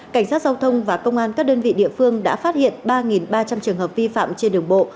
cảnh sát giao thông và công an các đơn vị địa phương đã phát hiện ba ba trăm linh trường hợp vi phạm trên đường bộ